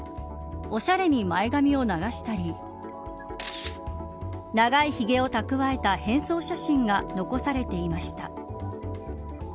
おしゃれに前髪を流したり長いひげをたくわえた変装写真が残されていました。